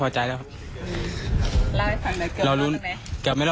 ว่ายน้ำอยู่ข้างบนนะ